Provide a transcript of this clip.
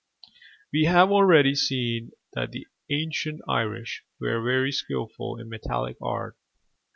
We have already seen that the ancient Irish were very skilful in metallic art.